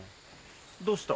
どうした？